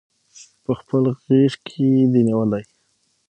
پخپل غیږ کې دی نیولي